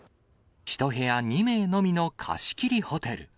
１部屋２名のみの貸し切りホテル。